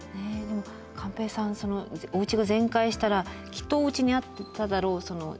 でも寛平さんおうちが全壊したらきっとおうちにあっただろう